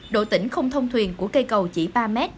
độ tỉnh không thông thuyền của cây cầu chỉ ba m